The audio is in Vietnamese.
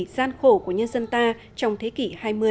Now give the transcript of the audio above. gian khổ của nhân dân ta trong thế kỷ hai mươi